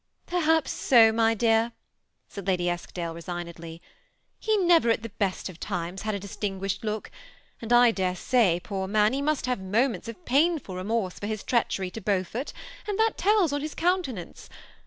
" Perhaps so, my dear," said Lady Eskdale, resign edly ;*^ he never at the best of times had a distinguished look, and I dare say, poor man, he must have moments of painful remorse for his treachery to Beaufort, and that tells on his countenance.